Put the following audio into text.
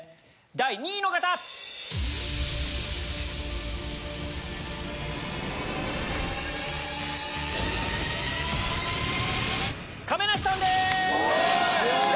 第２位亀梨さんです！